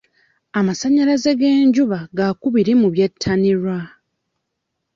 Amasannyalaze g'enjuba gaakubiri mu byettanirwa.